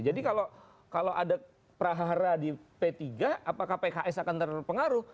jadi kalau ada prahara di p tiga apakah pks akan terpengaruh